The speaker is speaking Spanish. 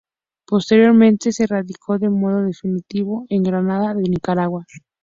Posteriormente se radicó de modo definitivo en Granada de Nicaragua.